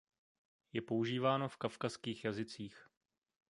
Je používáno v kavkazských jazycích.